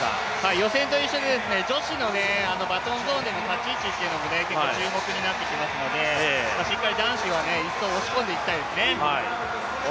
予選と一緒で女子のバトンゾーンでの立ち位置も結構注目になってきますので、しっかり男子は１走、押し込んでいきたいですね。